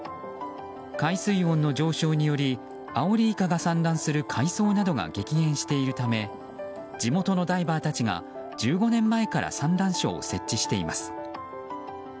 海水温の上昇によりアオリイカが産卵する海藻などが激減しているため地元のダイバーたちが１５年前から産卵床を設置しています。